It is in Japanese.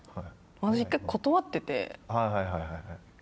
私、１回、断ってて。